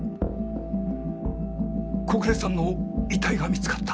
小暮さんの遺体が見つかった！？